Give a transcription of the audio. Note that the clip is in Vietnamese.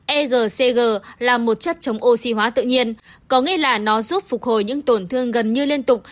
egcg là một chất chống oxy hóa tự nhiên có nghĩa là nó giúp phục hồi những tổn thương gần như liên tục